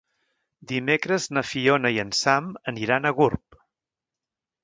Dimecres na Fiona i en Sam aniran a Gurb.